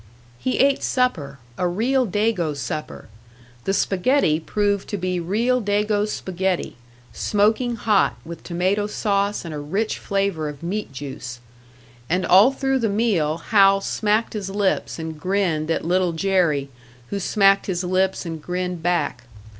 He ate supper, a real Dago supper; the spaghetti proved to be real Dago spaghetti, smoking hot, with tomato sauce and a rich flavour of meat juice. And all through the meal Hal smacked his lips and grinned at Little Jerry, who smacked his lips and grinned back.